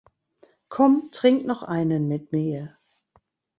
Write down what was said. Komm, trink noch einen mit mir.